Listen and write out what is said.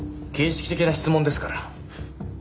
形式的な質問ですから。